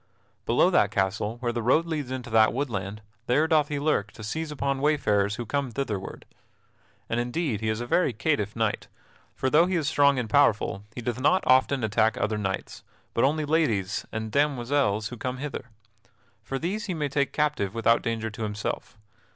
Below that castle, where the road leads into that woodland, there doth he lurk to seize upon wayfarers who come thitherward. And indeed he is a very catiff knight, for, though he is strong and powerful, he doth not often attack other knights, but only ladies and demoiselles who come hither. For these he may take captive without danger to himself.